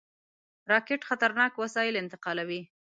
راکټ خطرناک وسایل انتقالوي